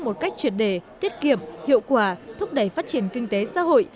một cách triệt đề tiết kiệm hiệu quả thúc đẩy phát triển kinh tế xã hội